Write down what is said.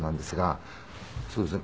そうですね。